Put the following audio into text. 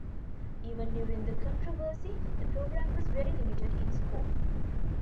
Even during the controversy, the program was very limited in scope.